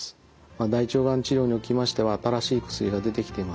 大腸がん治療におきましては新しい薬が出てきています。